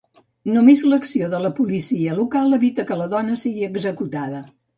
Només l'acció de la policia local evita que la dona sigui executada.